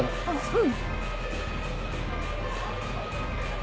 うん。